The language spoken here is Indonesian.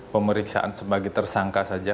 pemeriksaan sebagai tersangka saja